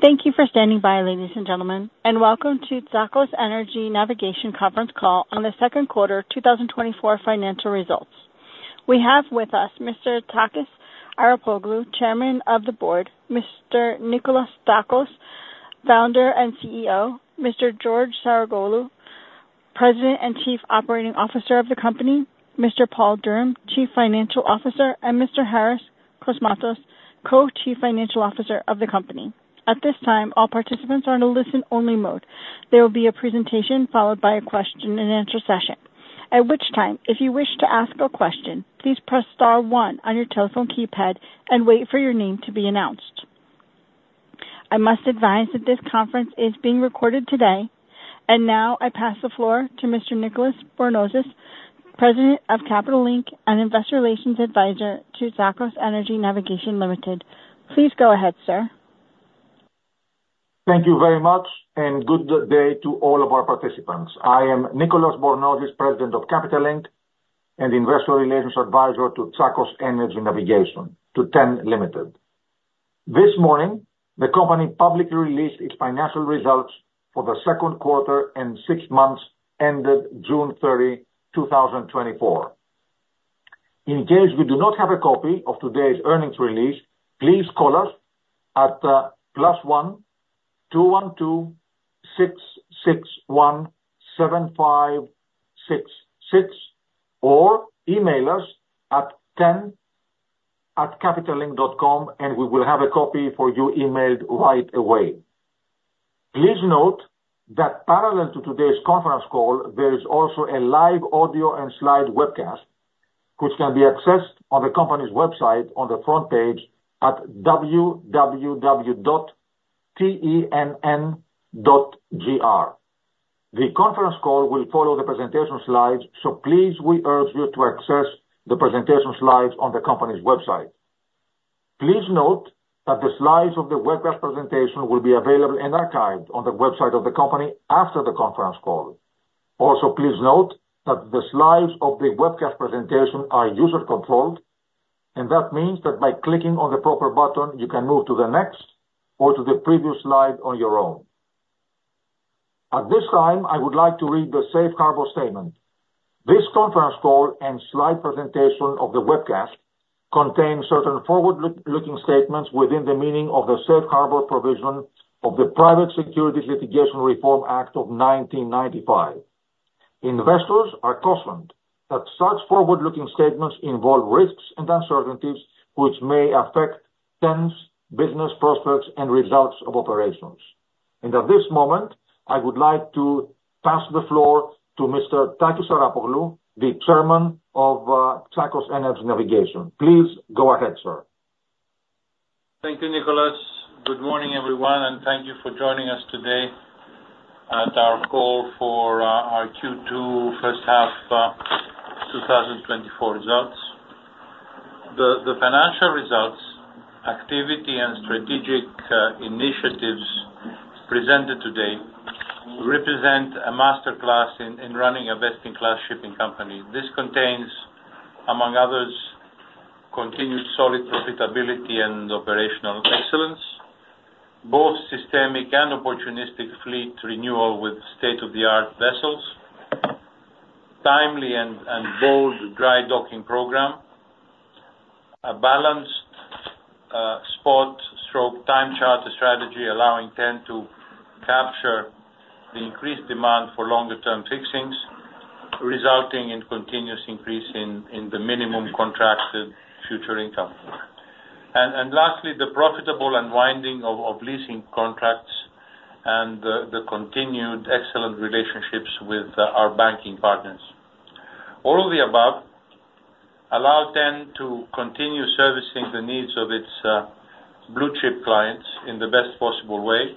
Thank you for standing by, ladies and gentlemen, and welcome to Tsakos Energy Navigation Conference Call on the second quarter 2024 financial results. We have with us Mr. Takis Arapoglou, Chairman of the Board, Mr. Nicolas Tsakos, Founder and CEO, Mr. George Saroglou, President and Chief Operating Officer of the company, Mr. Paul Durham, Chief Financial Officer, and Mr. Harrys Kosmatos, Co-Chief Financial Officer of the company. At this time, all participants are on a listen-only mode. There will be a presentation followed by a question and answer session, at which time, if you wish to ask a question, please press star one on your telephone keypad and wait for your name to be announced. I must advise that this conference is being recorded today. And now I pass the floor to Mr. Nicolas Bornozis, President of Capital Link and Investor Relations Advisor to Tsakos Energy Navigation Limited. Please go ahead, sir. Thank you very much, and good day to all of our participants. I am Nicholas Bornozis, President of Capital Link and Investor Relations Advisor to Tsakos Energy Navigation, to TEN Limited. This morning, the company publicly released its financial results for the second quarter and six months ended June 30, 2024. In case you do not have a copy of today's earnings release, please call us at +1-212-661-7566, or email us at ten@capitallink.com, and we will have a copy for you emailed right away. Please note that parallel to today's conference call, there is also a live audio and slide webcast, which can be accessed on the company's website on the front page at www.tenn.gr. The conference call will follow the presentation slides, so please, we urge you to access the presentation slides on the company's website. Please note that the slides of the webcast presentation will be available and archived on the website of the company after the conference call. Also, please note that the slides of the webcast presentation are user-controlled, and that means that by clicking on the proper button, you can move to the next or to the previous slide on your own. At this time, I would like to read the safe harbor statement. This conference call and slide presentation of the webcast contains certain forward-looking statements within the meaning of the safe harbor provision of the Private Securities Litigation Reform Act of 1995. Investors are cautioned that such forward-looking statements involve risks and uncertainties which may affect TEN's business prospects and results of operations. At this moment, I would like to pass the floor to Mr. Takis Arapoglou, the Chairman of Tsakos Energy Navigation. Please go ahead, sir. Thank you, Nicholas. Good morning, everyone, and thank you for joining us today at our call for our Q2 first half 2024 results. The financial results, activity, and strategic initiatives presented today represent a master class in running a best-in-class shipping company. This contains, among others, continued solid profitability and operational excellence, both systemic and opportunistic fleet renewal with state-of-the-art vessels, timely and bold dry docking program, a balanced spot/time charter strategy allowing TEN to capture the increased demand for longer term fixings, resulting in continuous increase in the minimum contracted future income, and lastly, the profitable unwinding of leasing contracts and the continued excellent relationships with our banking partners. All of the above allow TEN to continue servicing the needs of its blue-chip clients in the best possible way,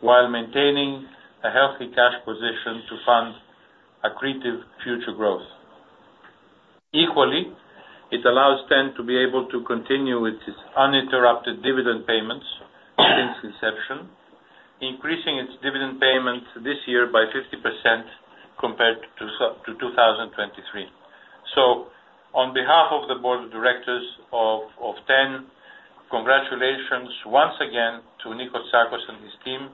while maintaining a healthy cash position to fund accretive future growth. Equally, it allows TEN to be able to continue with its uninterrupted dividend payments since inception, increasing its dividend payments this year by 50% compared to 2023. On behalf of the board of directors of TEN, congratulations once again to Nicolas Tsakos and his team,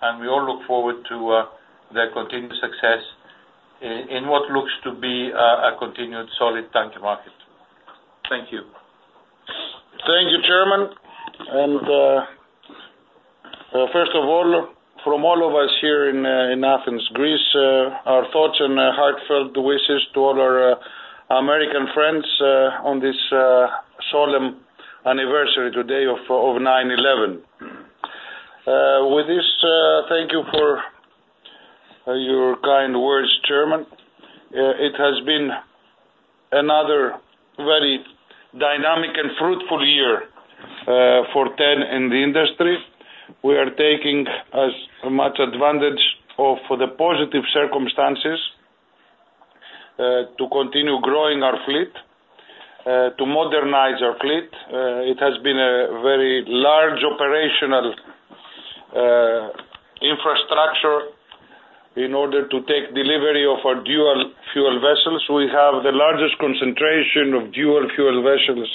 and we all look forward to their continued success in what looks to be a continued solid tanker market. Thank you. Thank you, Chairman. And, first of all, from all of us here in Athens, Greece, our thoughts and heartfelt wishes to all our American friends on this solemn anniversary today of 9/11. With this, thank you for your kind words, Chairman. It has been another very dynamic and fruitful year for TEN in the industry. We are taking as much advantage of the positive circumstances to continue growing our fleet, to modernize our fleet. It has been a very large operational infrastructure in order to take delivery of our dual fuel vessels. We have the largest concentration of dual fuel vessels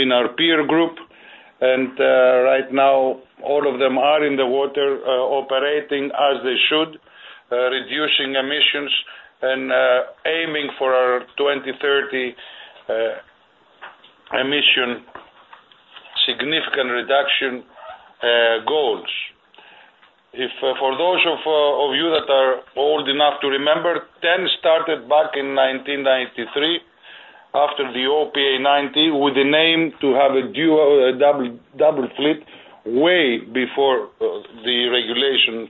in our peer group, and right now, all of them are in the water, operating as they should, reducing emissions and aiming for our 2030 emission significant reduction goals. If for those of you that are old enough to remember, TEN started back in 1993 after the OPA 90, with the aim to have a double fleet way before the regulation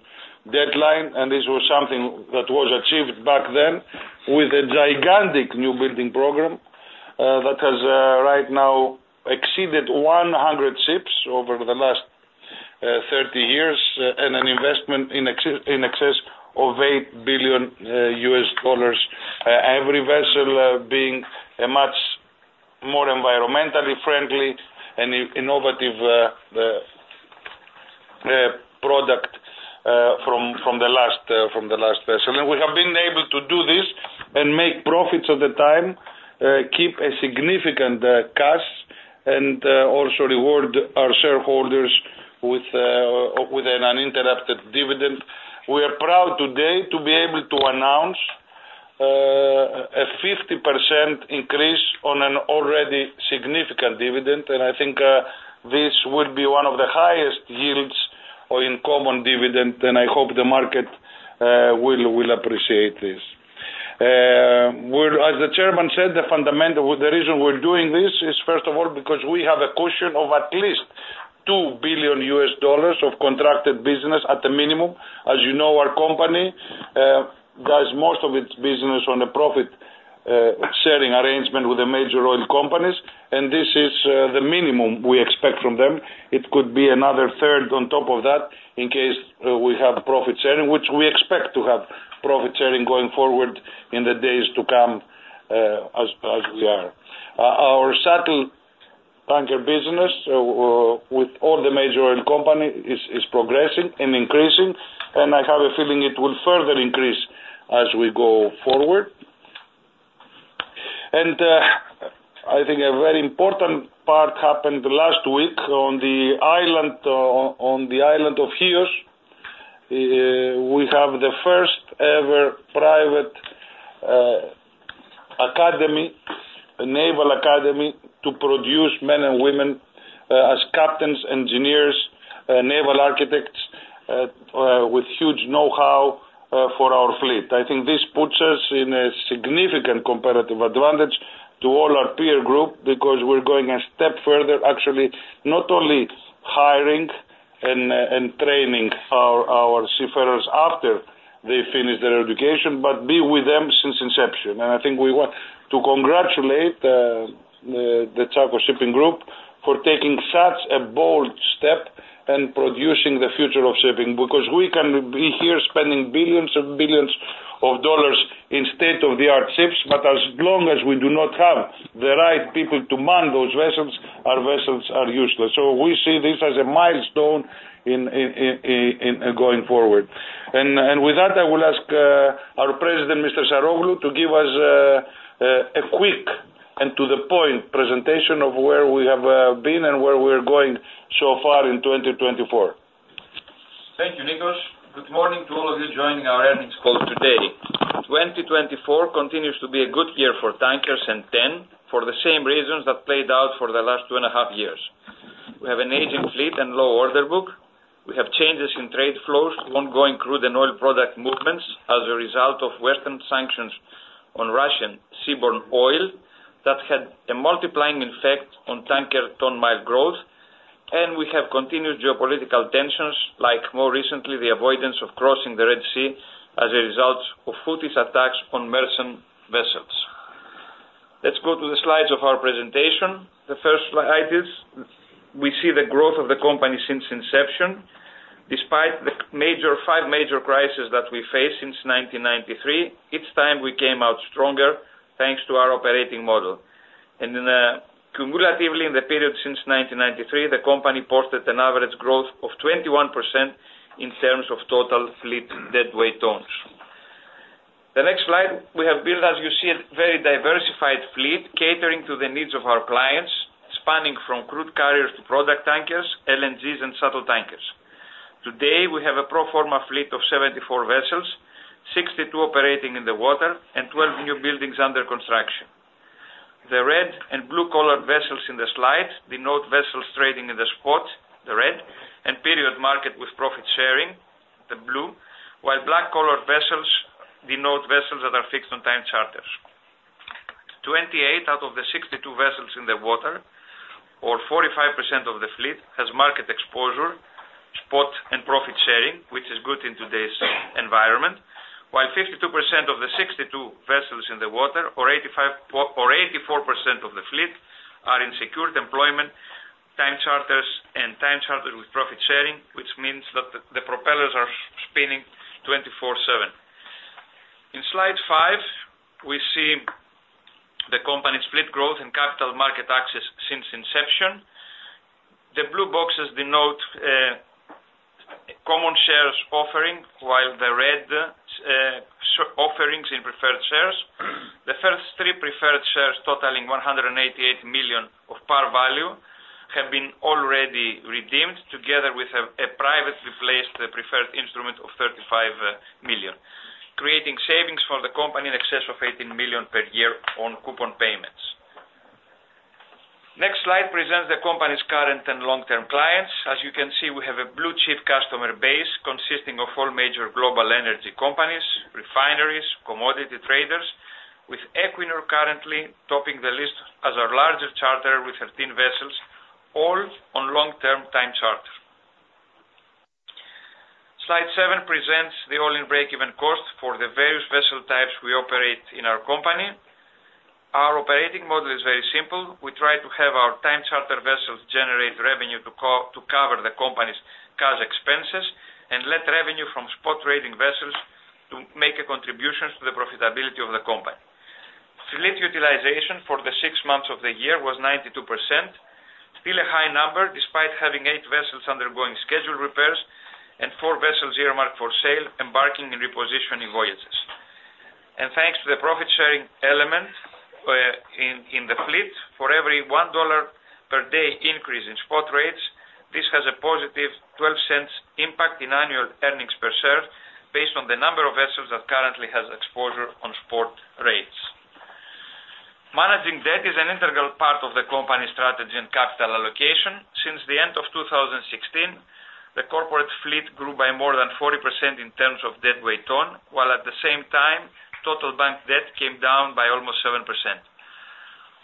deadline. This was something that was achieved back then with a gigantic new building program that has right now exceeded 100 ships over the last 30 years, and an investment in excess of $8 billion. Every vessel being a much more environmentally friendly and innovative product from the last vessel. And we have been able to do this and make profits at the time, keep a significant cash, and also reward our shareholders with an uninterrupted dividend. We are proud today to be able to announce a 50% increase on an already significant dividend, and I think this will be one of the highest yields or in common dividend, and I hope the market will appreciate this. We're, as the chairman said, the fundamental with the reason we're doing this is, first of all, because we have a cushion of at least $2 billion of contracted business at the minimum. As you know, our company does most of its business on a profit sharing arrangement with the major oil companies, and this is the minimum we expect from them. It could be another third on top of that, in case we have profit sharing, which we expect to have profit sharing going forward in the days to come, as we are. Our shuttle tanker business with all the major oil companies is progressing and increasing, and I have a feeling it will further increase as we go forward. I think a very important part happened last week on the island of Chios. We have the first-ever private academy, a naval academy, to produce men and women as captains, engineers, naval architects with huge know-how for our fleet. I think this puts us in a significant competitive advantage to all our peer group because we're going a step further, actually, not only hiring and training our seafarers after they finish their education, but be with them since inception. I think we want to congratulate the Tsakos Shipping Group for taking such a bold step and producing the future of shipping, because we can be here spending billions and billions of dollars in state-of-the-art ships, but as long as we do not have the right people to man those vessels, our vessels are useless. We see this as a milestone in going forward. With that, I will ask our president, Mr. Saroglou, to give us a quick and to-the-point presentation of where we have been and where we're going so far in 2024. Thank you, Nicolas. Good morning to all of you joining our earnings call today. 2024 continues to be a good year for tankers and TEN, for the same reasons that played out for the last two and a half years. We have an aging fleet and low order book. We have changes in trade flows, ongoing crude and oil product movements as a result of Western sanctions on Russian seaborne oil that had a multiplying effect on tanker ton mile growth. And we have continued geopolitical tensions, like more recently, the avoidance of crossing the Red Sea as a result of Houthi attacks on merchant vessels. Let's go to the slides of our presentation. The first slide is, we see the growth of the company since inception. Despite the five major crises that we faced since 1993, each time we came out stronger, thanks to our operating model. And cumulatively in the period since 1993, the company posted an average growth of 21% in terms of total fleet deadweight tons. The next slide, we have built, as you see, a very diversified fleet catering to the needs of our clients, spanning from crude carriers to product tankers, LNGs and shuttle tankers. Today, we have a pro forma fleet of 74 vessels, 62 operating in the water and 12 new buildings under construction. The red and blue-colored vessels in the slide denote vessels trading in the spot, the red, and period market with profit sharing, the blue, while black-colored vessels denote vessels that are fixed on time charters. 28 out of the 62 vessels in the water, or 45% of the fleet, has market exposure, spot and profit sharing, which is good in today's environment, while 52% of the 62 vessels in the water, or 85% or 84% of the fleet, are in secured employment, time charters and time charter with profit sharing, which means that the propellers are spinning 24/7. In slide 5, we see the company's fleet growth and capital market access since inception. The blue boxes denote common shares offering, while the red share offerings in preferred shares. The first three preferred shares, totaling $188 million of par value, have been already redeemed, together with a privately placed preferred instrument of $35 million, creating savings for the company in excess of $18 million per year on coupon payments. Next slide presents the company's current and long-term clients. As you can see, we have a blue-chip customer base consisting of all major global energy companies, refineries, commodity traders, with Equinor currently topping the list as our largest charterer, with thirteen vessels, all on long-term time charter. Slide seven presents the all-in break-even cost for the various vessel types we operate in our company. Our operating model is very simple. We try to have our time charter vessels generate revenue to cover the company's cash expenses, and let revenue from spot trading vessels to make a contribution to the profitability of the company. Fleet utilization for the six months of the year was 92%, still a high number, despite having eight vessels undergoing scheduled repairs and four vessels earmarked for sale, embarking in repositioning voyages. Thanks to the profit-sharing element in the fleet, for every $1 per day increase in spot rates, this has a positive $0.12 impact in annual earnings per share, based on the number of vessels that currently has exposure on spot rates. Managing debt is an integral part of the company's strategy and capital allocation. Since the end of 2016, the corporate fleet grew by more than 40% in terms of deadweight tons, while at the same time, total bank debt came down by almost 7%.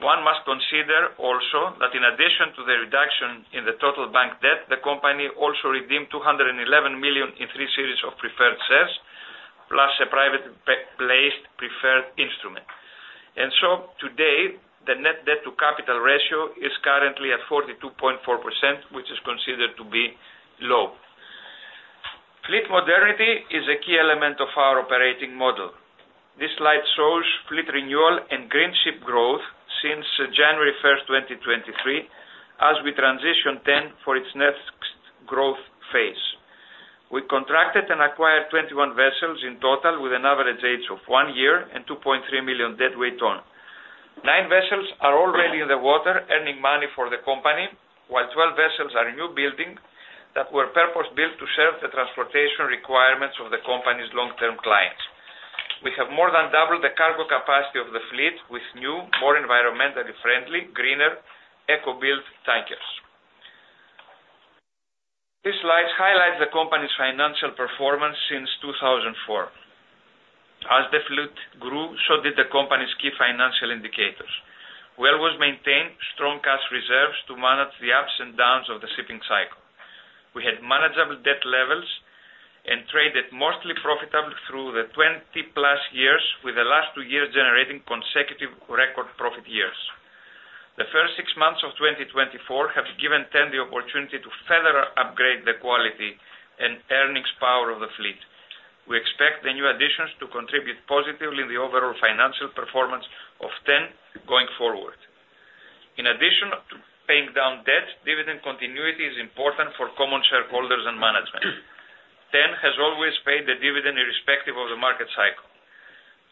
One must consider also that in addition to the reduction in the total bank debt, the company also redeemed $211 million in three series of preferred shares, plus a privately placed preferred instrument. Today, the net debt to capital ratio is currently at 42.4%, which is considered to be low. Fleet modernity is a key element of our operating model. This slide shows fleet renewal and greenship growth since January 1, 2023, as we transition TEN for its next growth phase. We contracted and acquired 21 vessels in total, with an average age of one year and 2.3 million deadweight tons. 9 vessels are already in the water, earning money for the company, while 12 vessels are in new building that were purpose-built to serve the transportation requirements of the company's long-term clients. We have more than doubled the cargo capacity of the fleet with new, more environmentally friendly, greener, eco-built tankers. This slide highlights the company's financial performance since 2004. As the fleet grew, so did the company's key financial indicators. We always maintained strong cash reserves to manage the ups and downs of the shipping cycle. We had manageable debt levels and traded mostly profitably through the twenty-plus years, with the last two years generating consecutive record profit years. The first six months of 2024 have given TEN the opportunity to further upgrade the quality and earnings power of the fleet. We expect the new additions to contribute positively in the overall financial performance of TEN going forward. In addition to paying down debt, dividend continuity is important for common shareholders and management. TEN has always paid the dividend irrespective of the market cycle.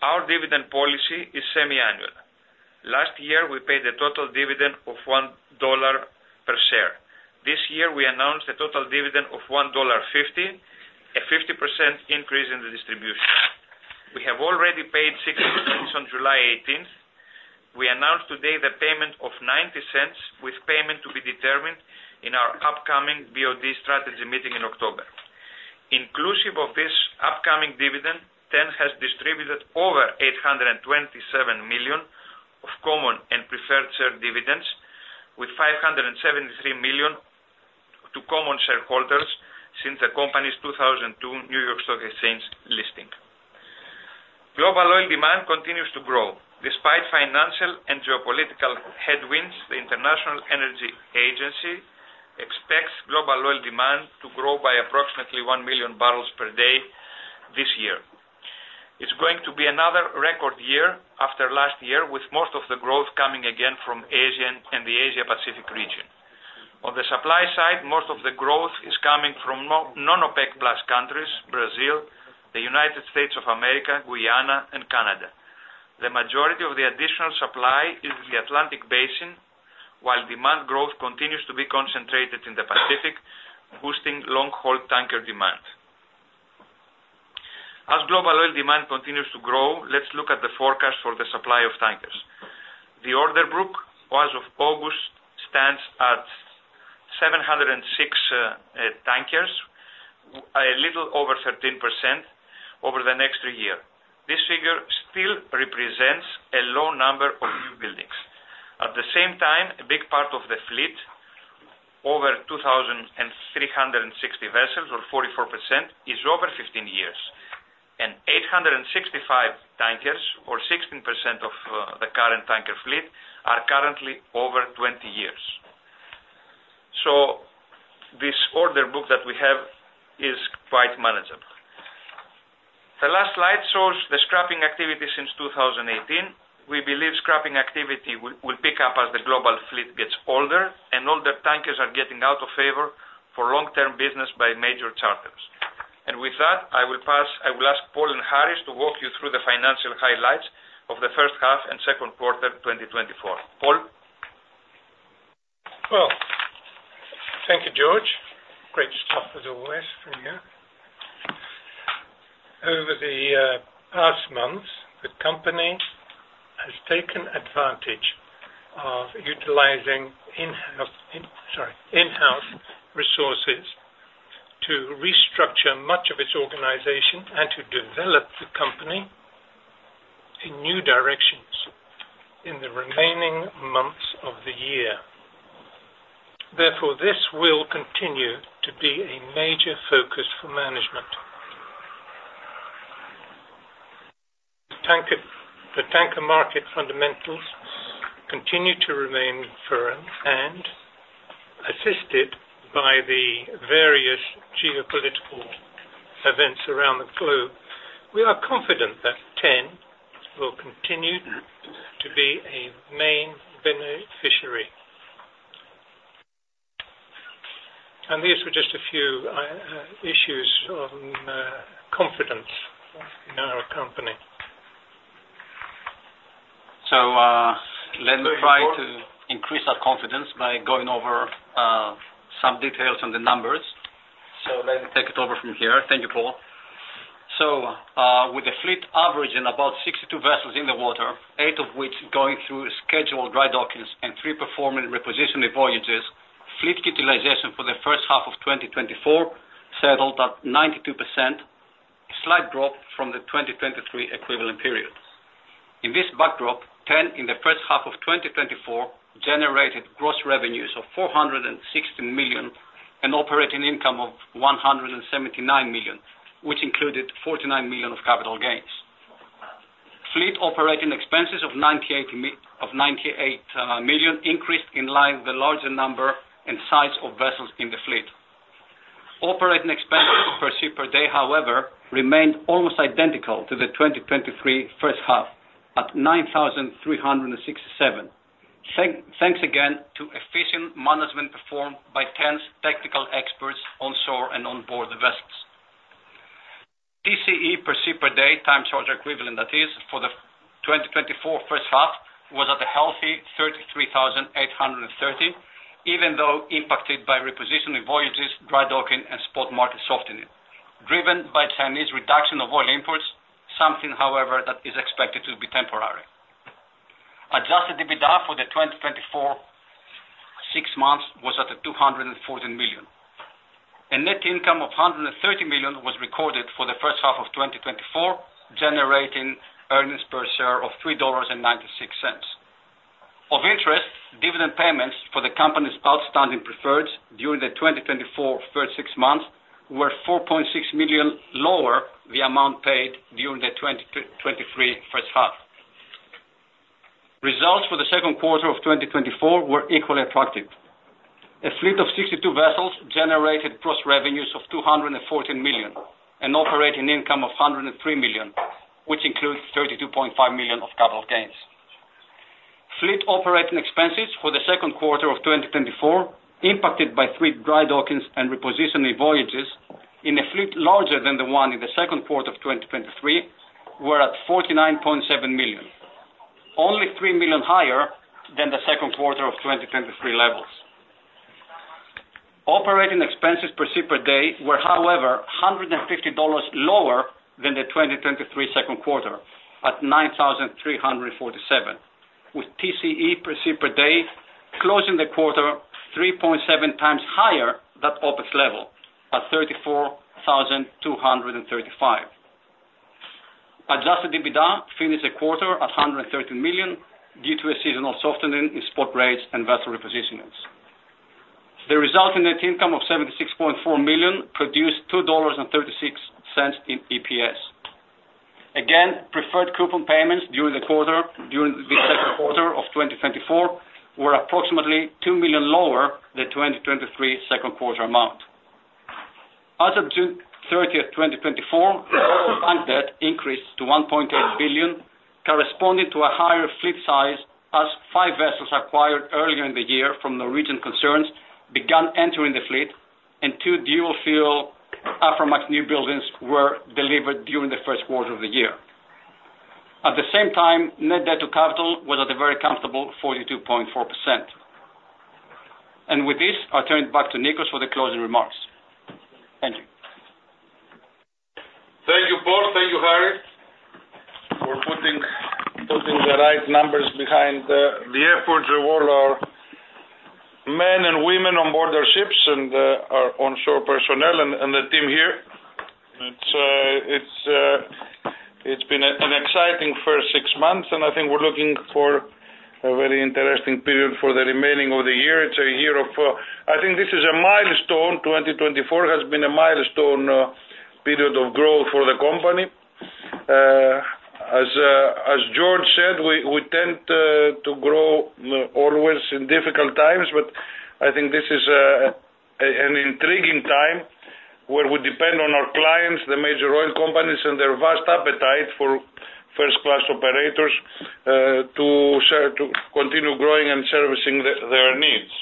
Our dividend policy is semi-annual. Last year, we paid a total dividend of $1 per share. This year, we announced a total dividend of $1.50, a 50% increase in the distribution. We have already paid $0.60 on July 18th. We announced today the payment of $0.90, with payment to be determined in our upcoming BOD strategy meeting in October. Inclusive of this upcoming dividend, TEN has distributed over $827 million of common and preferred share dividends, with $573 million to common shareholders since the company's 2002 New York Stock Exchange listing. Global oil demand continues to grow. Despite financial and geopolitical headwinds, the International Energy Agency expects global oil demand to grow by approximately 1 million barrels per day this year. It's going to be another record year after last year, with most of the growth coming again from Asia and the Asia Pacific region. On the supply side, most of the growth is coming from non-OPEC+ countries, Brazil, the United States of America, Guyana and Canada. The majority of the additional supply is in the Atlantic Basin, while demand growth continues to be concentrated in the Pacific, boosting long-haul tanker demand. As global oil demand continues to grow, let's look at the forecast for the supply of tankers. The order book, as of August, stands at 706 tankers, a little over 13% over the next two years. This figure still represents a low number of new buildings. At the same time, a big part of the fleet, over 2,360 vessels or 44%, is over 15 years, and 865 tankers or 16% of the current tanker fleet, are currently over 20 years. So this order book that we have is quite manageable. ...The last slide shows the scrapping activity since 2018. We believe scrapping activity will pick up as the global fleet gets older, and older tankers are getting out of favor for long-term business by major charters. With that, I will pass. I will ask Paul and Harry to walk you through the financial highlights of the first half and second quarter, 2024. Paul? Thank you, George. Great stuff as always from you. Over the past months, the company has taken advantage of utilizing in-house resources to restructure much of its organization and to develop the company in new directions in the remaining months of the year. Therefore, this will continue to be a major focus for management. The tanker market fundamentals continue to remain firm, assisted by the various geopolitical events around the globe. We are confident that TEN will continue to be a main beneficiary. These were just a few issues on confidence in our company. So, let me try to increase our confidence by going over some details on the numbers. So let me take it over from here. Thank you, Paul. So, with the fleet averaging about 62 vessels in the water, eight of which going through scheduled dry dockings and three performing repositioning voyages, fleet utilization for the first half of 2024 settled at 92%, a slight drop from the 2023 equivalent periods. In this backdrop, TEN in the first half of 2024 generated gross revenues of $460 million and operating income of $179 million, which included $49 million of capital gains. Fleet operating expenses of $98 million increased in line with the larger number and size of vessels in the fleet. Operating expenses per ship, per day, however, remained almost identical to the 2023 first half, at $9,367. Thanks again to efficient management performed by TEN's technical experts on shore and on board the vessels. TCE per ship, per day, time charter equivalent that is, for the 2024 first half, was at a healthy $33,830, even though impacted by repositioning voyages, dry docking and spot market softening. Driven by Chinese reduction of oil imports, something, however, that is expected to be temporary. Adjusted EBITDA for the 2024 six months was at $214 million. A net income of $130 million was recorded for the first half of 2024, generating earnings per share of $3.96. Of interest, dividend payments for the company's outstanding preferred during the 2024 first six months were $4.6 million lower the amount paid during the 2023 first half. Results for the second quarter of 2024 were equally attractive. A fleet of 62 vessels generated gross revenues of $214 million and operating income of $103 million, which includes $32.5 million of capital gains. Fleet operating expenses for the second quarter of 2024, impacted by three dry dockings and repositioning voyages in a fleet larger than the one in the second quarter of 2023, were at $49.7 million. Only $3 million higher than the second quarter of 2023 levels. Operating expenses per ship per day were, however, $150 lower than the 2023 second quarter, at $9,347. With TCE per ship per day closing the quarter 3.7 times higher than OPEX level, at $34,235. Adjusted EBITDA finished the quarter at $113 million, due to a seasonal softening in spot rates and vessel repositionings. The resulting net income of $76.4 million produced $2.36 in EPS. Again, preferred coupon payments during the quarter, during the second quarter of 2024, were approximately $2 million lower than the 2023 second quarter amount. As of June thirtieth, twenty twenty-four, total bank debt increased to $1.8 billion, corresponding to a higher fleet size as five vessels acquired earlier in the year from Norwegian concerns began entering the fleet, and two dual fuel Aframax new buildings were delivered during the first quarter of the year. At the same time, net debt to capital was at a very comfortable 42.4%. And with this, I'll turn it back to Nikolas for the closing remarks. Thank you. Thank you, Paul. Thank you, Harry, for putting the right numbers behind the efforts of all our men and women on board our ships and our onshore personnel and the team here. It's been an exciting first six months, and I think we're looking for a very interesting period for the remaining of the year. It's a year of. I think this is a milestone. 2024 has been a milestone period of growth for the company. As George said we tend to grow always in difficult times, but I think this is an intriguing time where we depend on our clients, the major oil companies, and their vast appetite for first-class operators to continue growing and servicing their needs.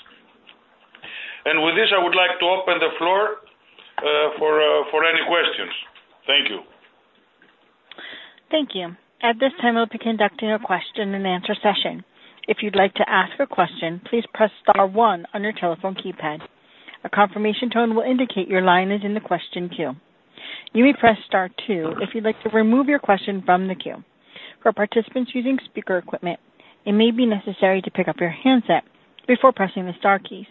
And with this, I would like to open the floor for any questions. Thank you. Thank you. At this time, we'll be conducting a question and answer session. If you'd like to ask a question, please press star one on your telephone keypad. A confirmation tone will indicate your line is in the question queue. You may press star two if you'd like to remove your question from the queue. For participants using speaker equipment, it may be necessary to pick up your handset before pressing the star keys.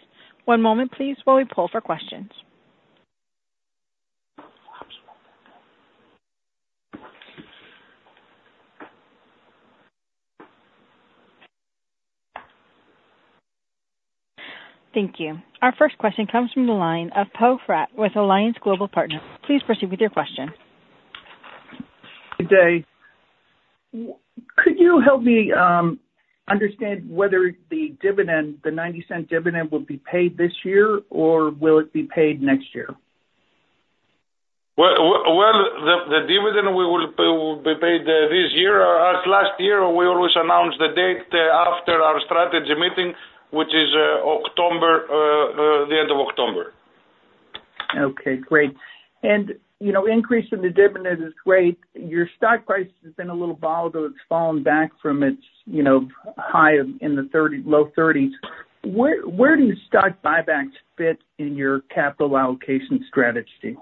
One moment please, while we poll for questions. Thank you. Our first question comes from the line of Poe Fratt with Alliance Global Partners. Please proceed with your question. Good day. Could you help me understand whether the dividend, the $0.90 dividend, will be paid this year, or will it be paid next year? The dividend will be paid this year, as last year. We always announce the date the end of October. Okay, great. And, you know, increase in the dividend is great. Your stock price has been a little volatile. It's fallen back from its, you know, high of in the 30, low 30s. Where do stock buybacks fit in your capital allocation strategy?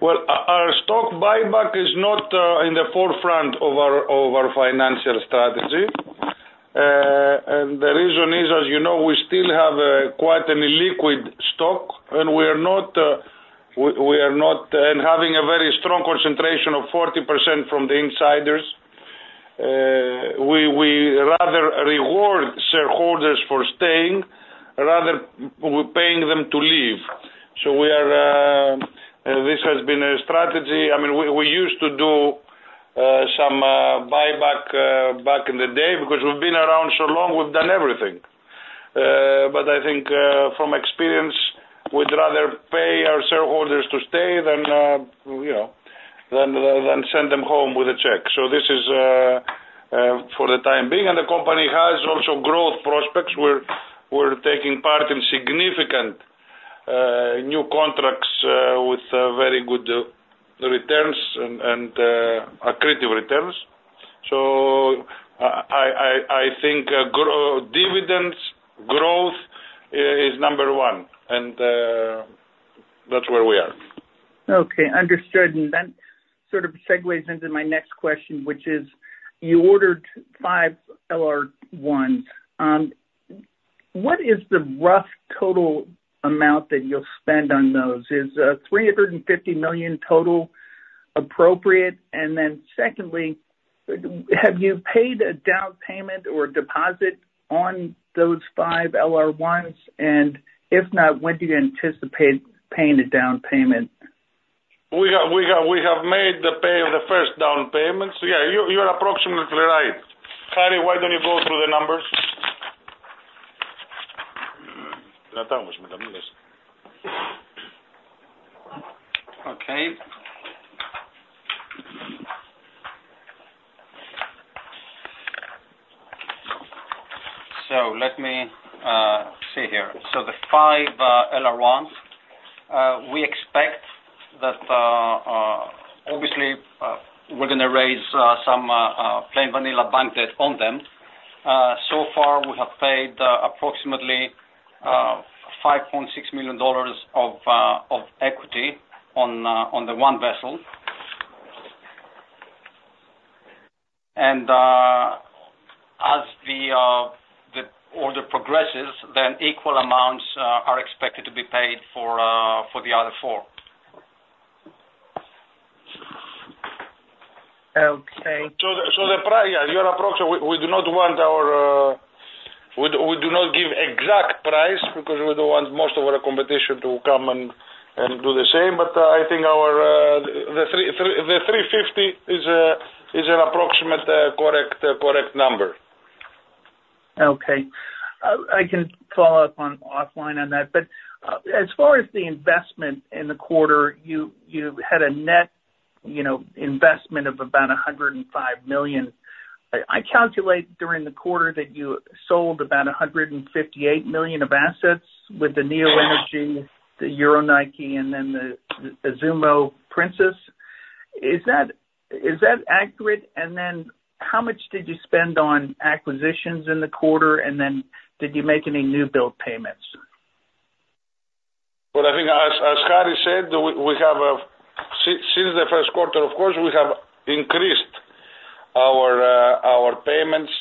Well, our stock buyback is not in the forefront of our financial strategy. And the reason is, as you know, we still have quite an illiquid stock, and we are not... And having a very strong concentration of 40% from the insiders, we rather reward shareholders for staying rather than paying them to leave. This has been a strategy. I mean, we used to do some buyback back in the day, because we've been around so long, we've done everything. But I think, from experience, we'd rather pay our shareholders to stay than you know, send them home with a check. So this is for the time being. And the company has also growth prospects. We're taking part in significant new contracts with very good returns and accretive returns. So I think dividends growth is number one, and that's where we are. Okay, understood. And that sort of segues into my next question, which is: you ordered five LR1. What is the rough total amount that you'll spend on those? Is $350 million total appropriate? And then secondly, have you paid a down payment or deposit on those five LR1s? And if not, when do you anticipate paying a down payment? We have made the payment of the first down payments. Yeah, you are approximately right. Harry, why don't you go through the numbers? Okay. So let me see here. So the five LR1s we expect that obviously we're going to raise some plain vanilla bank debt on them. So far, we have paid approximately $5.6 million of equity on the one vessel, and as the order progresses, then equal amounts are expected to be paid for the other four. Okay. Yeah, you are approximate. We do not give exact price because we don't want most of our competition to come and do the same. But I think the $350 is an approximate correct number. Okay. I can follow up offline on that. But, as far as the investment in the quarter, you had a net, you know, investment of about $105 million. I calculate during the quarter that you sold about $158 million of assets with the Neo Energy, the Euronike, and then the Izumo Princess. Is that accurate? And then how much did you spend on acquisitions in the quarter, and then did you make any new build payments? Well, I think as Harry said, we have since the first quarter, of course, we have increased our payments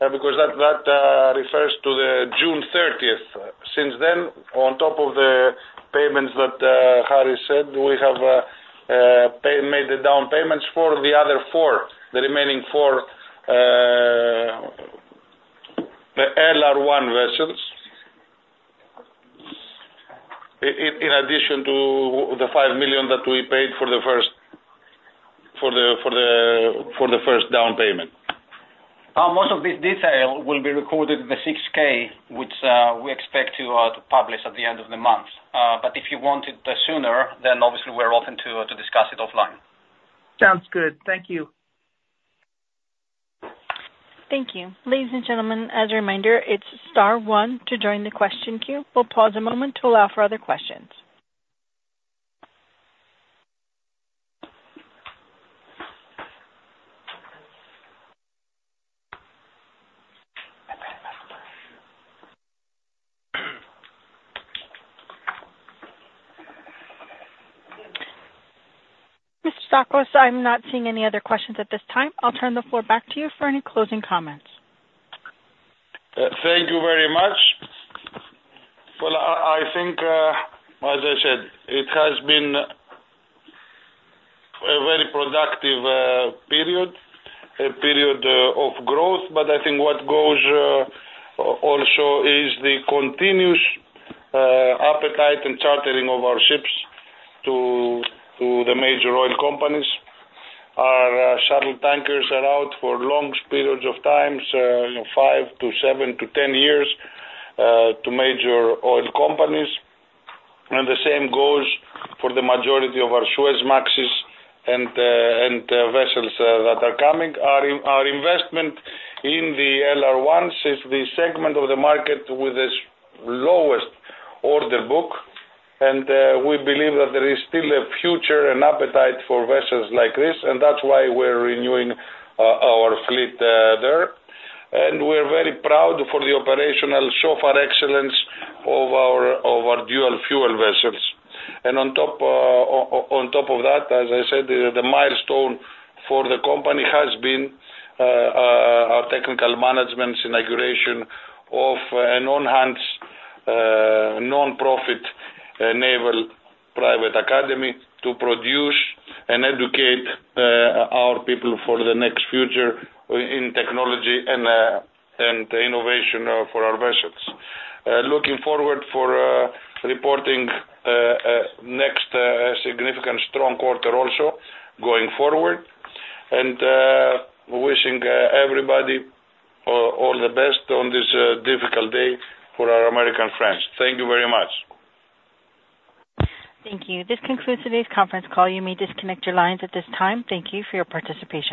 because that refers to the June thirtieth. Since then, on top of the payments that Harry said, we have made the down payments for the other four, the remaining four for the first down payment? Most of this detail will be recorded in the 6-K, which we expect to publish at the end of the month. But if you want it sooner, then obviously we're open to discuss it offline. Sounds good. Thank you. Thank you. Ladies and gentlemen, as a reminder, it's star one to join the question queue. We'll pause a moment to allow for other questions. Mr. Tsakos, I'm not seeing any other questions at this time. I'll turn the floor back to you for any closing comments. Thank you very much. Well, I think, as I said, it has been a very productive period, a period of growth. But I think what goes also is the continuous appetite and chartering of our ships to the major oil companies. Our shuttle tankers are out for long periods of times, you know, five to seven to 10 years to major oil companies. And the same goes for the majority of our Suezmaxes and vessels that are coming. Our investment in the LR1 is the segment of the market with the lowest order book, and we believe that there is still a future and appetite for vessels like this, and that's why we're renewing our fleet there. We're very proud for the operational charter excellence of our dual fuel vessels. On top of that, as I said, the milestone for the company has been our technical management's inauguration of a hands-on nonprofit naval private academy to produce and educate our people for the next future in technology and innovation for our vessels. Looking forward to reporting a next significant strong quarter also going forward. Wishing everybody all the best on this difficult day for our American friends. Thank you very much. Thank you. This concludes today's conference call. You may disconnect your lines at this time. Thank you for your participation.